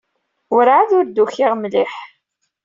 Werɛad ur d-ukiɣ mliḥ.